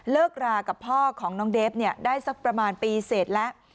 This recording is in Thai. รากับพ่อของน้องเดฟได้สักประมาณปีเสร็จแล้ว